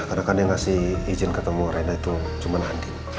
karena kan dia ngasih izin ketemu rena itu cuman nanti